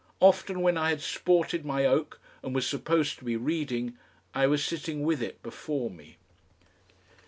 Often when I had sported my oak and was supposed to be reading, I was sitting with it before me.